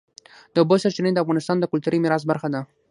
د اوبو سرچینې د افغانستان د کلتوري میراث برخه ده.